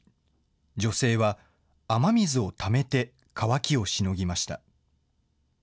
女性は雨水をためて渇きをしのぎました。